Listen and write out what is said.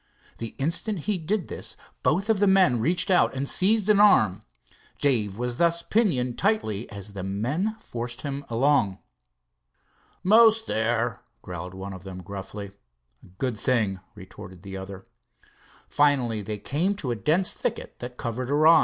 The instant he did this both of the men reached, out and seized an arm. Dave was thus pinioned tightly as the men forced him along. "Most there," growled one of them gruffly. "Good thing," retorted the other. Finally they came to a dense thicket that covered a rise.